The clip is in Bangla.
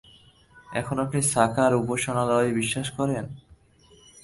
এখন আপনি সাকার-উপাসনায় বিশ্বাস করেন?